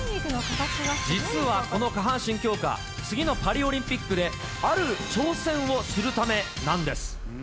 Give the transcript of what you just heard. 実はこの下半身強化、次のパリオリンピックで、ある挑戦をするためなんです。